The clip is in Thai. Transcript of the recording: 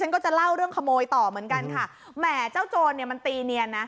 ก็จะเล่าเรื่องขโมยต่อเหมือนกันค่ะแหมเจ้าโจรเนี่ยมันตีเนียนนะ